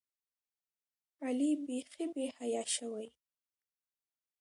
علي بیخي بېحیا شوی.